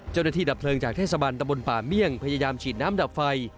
เจ้าหน้าที่ดับเผลิงจากเทศบันตะบนป่าเมี่ยงพยายามฉีดน้ำดับไฟ